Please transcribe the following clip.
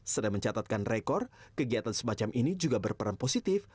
sedang mencatatkan rekor kegiatan semacam ini juga berperan positif